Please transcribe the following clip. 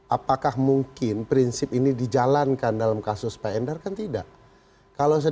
apakah mungkin prinsip ini dijalankan dalam kasus pak endar kan tidak kalau saya